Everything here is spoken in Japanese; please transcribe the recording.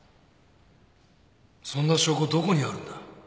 そんな証拠どこにあるんだ。